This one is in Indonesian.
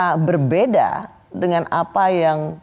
diberi beda dengan apa yang